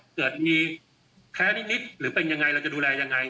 เกิดมีแพ้นิดหรือเป็นยังไงเราจะดูแลยังไง